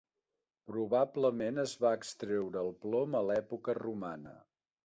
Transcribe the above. Probablement es va extreure el plom a l'època romana.